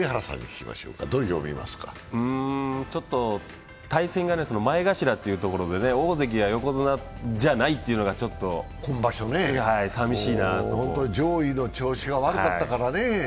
うーん、対戦相手が、前頭というところでね、大関や横綱じゃないというところがちょっとさみしいなと。上位の調子が悪かったからね。